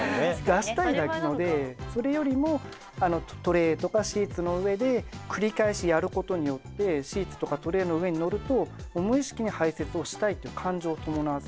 出したいだけなのでそれよりもトレーとかシーツの上で繰り返しやることによってシーツとかトレーの上に乗ると無意識に排せつをしたいという感情を伴わせることができる。